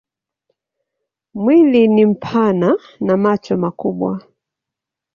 Mwili ni mpana na macho makubwa.